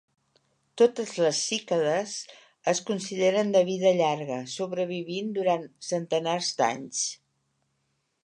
Totes les cícades es consideren de vida llarga, sobrevivint durant centenars d'anys.